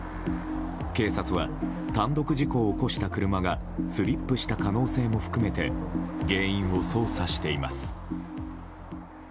警察は、単独事故を起こした車がスリップした可能性も含めて原因を捜査しています。